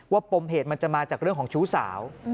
ปมเหตุมันจะมาจากเรื่องของชู้สาว